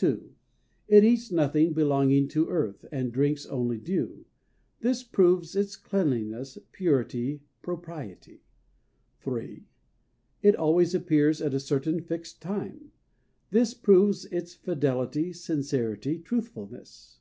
"II. It eats nothing belonging to earth, and drinks only dew. This proves its cleanliness, purity, propriety. "III. It always appears at a certain fixed time. This proves its fidelity, sincerity, truthfulness.